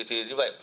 thì như vậy